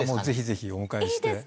ぜひぜひお迎えして。